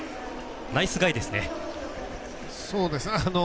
ナイスガイですね。